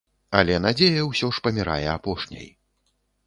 Але надзея ўсё ж памірае апошняй.